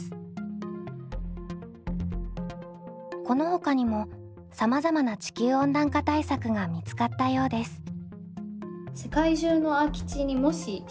このほかにもさまざまな地球温暖化対策が見つかったようです。